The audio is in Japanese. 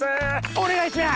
お願いします！